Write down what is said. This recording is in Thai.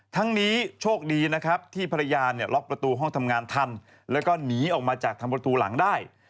ทั้งนี้โชคดีนะครับที่ภรรยาเนี่ยล็อกประตูห้องทำงานทันแล้วก็หนีออกมาจากทางประตูหลังได้